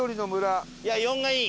いや「４」がいい！